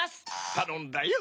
たのんだよ。